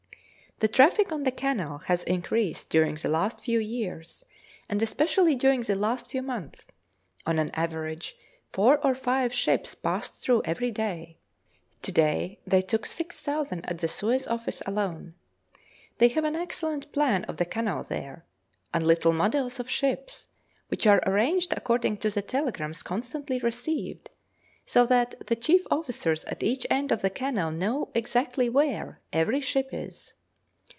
The traffic on the Canal has increased during the last few years, and especially during the last few months; on an average four or five ships passed through every day. To day they took 6,000_l_. at the Suez Office alone. They have an excellent plan of the Canal there, and little models of ships, which are arranged according to the telegrams constantly received, so that the chief officers at each end of the Canal know exactly where every ship is.